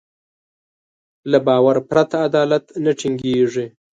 له باور پرته عدالت نه ټينګېږي.